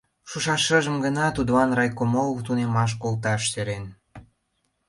Шушаш шыжым гына тудлан райкомол тунемаш колташ сӧрен.